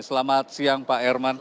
selamat siang pak erman